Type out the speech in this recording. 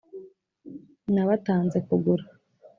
Nabatanze kugura.